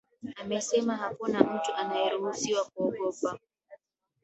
amesema hakuna mtu anayeruhusiwa kuogopa